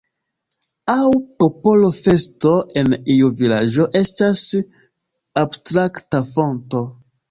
Aŭ popola festo en iu vilaĝo estas abstrakta fonto.